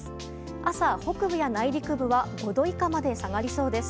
朝、北部や内陸部は５度以下まで下がりそうです。